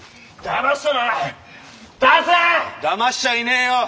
だましちゃいねえよ。